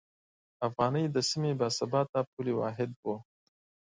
افغانۍ د سیمې باثباته پولي واحد و.